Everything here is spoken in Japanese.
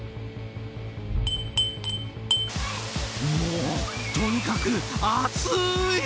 もう、とにかく暑い！